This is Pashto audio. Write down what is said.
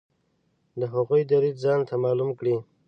د هغوی دریځ ځانته معلوم کړي.